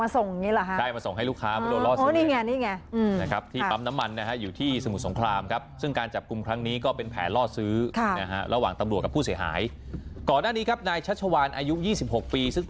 เอาของมาส่งอย่างนี้เหรอฮะใช่มาส่งให้ลูกค้าไม่ต้องรอซื้อเลยโอ้นี่ไงนี่ไง